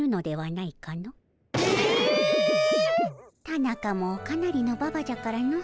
タナカもかなりのババじゃからの。